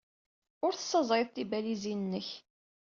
Ur tessaẓayeḍ tibalizin-nnek.